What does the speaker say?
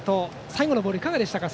最後のボールはいかがでしたか。